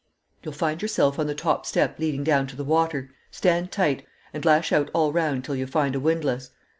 "You'll find yourself on the top step leading down to the water; stand tight, and lash out all round until you find a windlass.